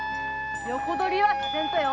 横取りはさせんとよ。